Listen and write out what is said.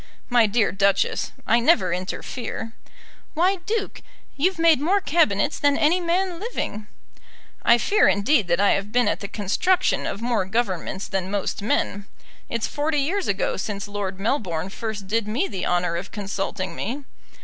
"My dear Duchess, I never interfere." "Why, Duke, you've made more Cabinets than any man living." "I fear, indeed, that I have been at the construction of more Governments than most men. It's forty years ago since Lord Melbourne first did me the honour of consulting me.